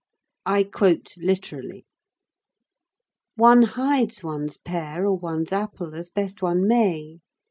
I quote literally: "One hides one's pear or one's apple as best one may.